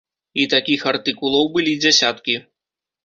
І такіх артыкулаў былі дзясяткі.